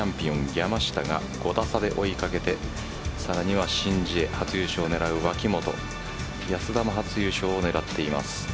山下が５打差で追いかけてさらには、申ジエ初優勝を狙う脇元安田も初優勝を狙っています。